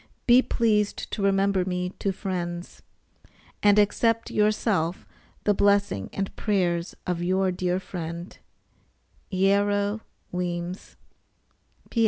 Be pleased to remember me to friends, and accept yourself the blessing and prayers of your dear friend, EARRO WEEMS.